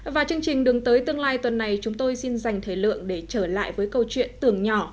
và chương trình đường tới tương lai tuần này chúng tôi xin dành thời lượng để trở lại với câu chuyện tưởng nhỏ